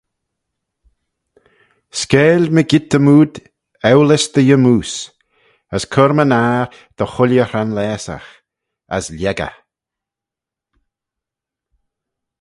"Skeayl mygeayrt-y-mood eulys dty yymmoose; as cur-my-ner dy chooilley hranlaasagh, as lhieg eh."